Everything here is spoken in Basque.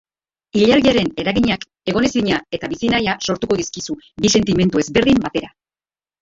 Ilargiaren eraginak egonezina eta bizinahia sortuko dizkizu bi sentimendu ezberdin batera.